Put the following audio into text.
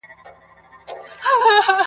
خون د کومي پېغلي دي په غاړه سو آسمانه،